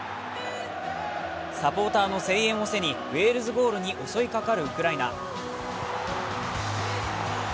サポーターの声援を背にウェールズゴールに襲いかかるウクライナ。